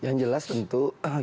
yang jelas tentu kita berharap